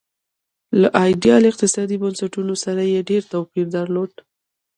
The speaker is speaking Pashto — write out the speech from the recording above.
له ایډیال اقتصادي بنسټونو سره یې ډېر توپیر درلود.